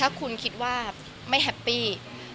ถ้าคุณคิดว่าไม่แฮปปี้